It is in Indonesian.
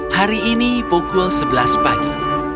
hari ini pukul sebelas pagi